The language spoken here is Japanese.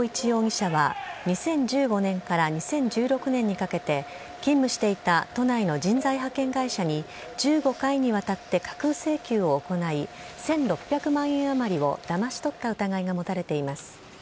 容疑者は、２０１５年から２０１６年にかけて、勤務していた都内の人材派遣会社に１５回にわたって架空請求を行い、１６００万円余りをだまし取った疑いが持たれています。